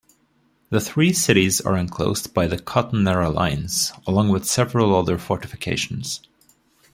The Three Cities are enclosed by the Cottonera Lines, along with several other fortifications.